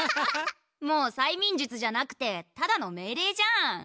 もう催眠術じゃなくてただのめいれいじゃん。